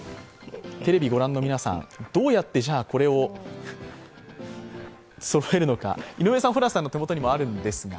テレビご覧の皆さん、どうやってこれをそろえるのか、井上さん、ホランさんの手元にもあります。